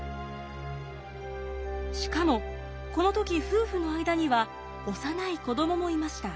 しかもこの時夫婦の間には幼い子供もいました。